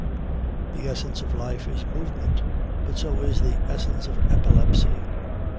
The essence of life is movement, but so is the essence of epilepsy.